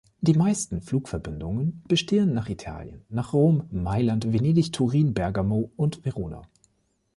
Die meisten Flugverbindungen bestehen nach Italien, nach Rom, Mailand, Venedig, Turin, Bergamo und Verona.